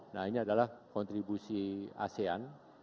nah ini adalah kontribusi asean